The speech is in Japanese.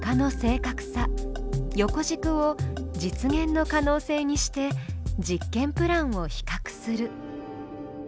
横軸を実現の可能性にして実験プランを比較する。